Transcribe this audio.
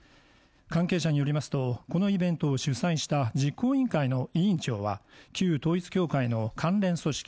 関係者によりますとこのイベントを主催した実行委員会の委員長は旧統一教会の関連組織